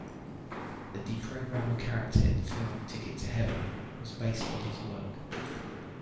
The deprogrammer character in the film "Ticket to Heaven" was based on his work.